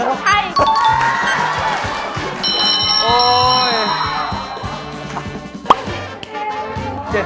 อันนี้สุดใจ